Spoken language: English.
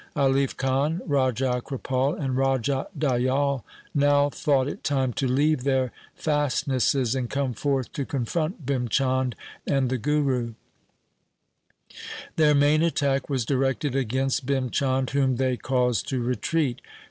Alif Khan, Raja Kripal, and Raja Dayal now thought it time to leave their fastnesses and come forth to confront Bhim Chand and the Guru. Their main attack was directed against Bhim Chand whom they caused to retreat.